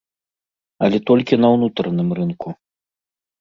Але толькі на ўнутраным рынку.